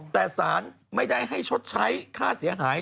แต่สารไม่ได้ให้ชดใช้ค่าเสียหาย